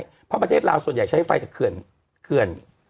เพราะประเทศลาวส่วนใหญ่ใช้ไฟจากเขื่อน